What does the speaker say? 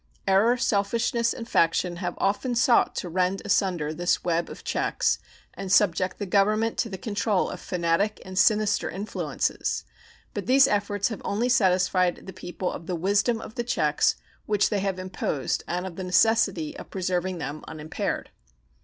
Error, selfishness, and faction have often sought to rend asunder this web of checks and subject the Government to the control of fanatic and sinister influences, but these efforts have only satisfied the people of the wisdom of the checks which they have imposed and of the necessity of preserving them unimpaired.